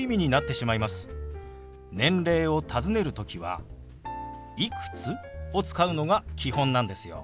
年齢をたずねる時は「いくつ？」を使うのが基本なんですよ。